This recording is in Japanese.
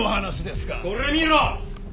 これ見ろ！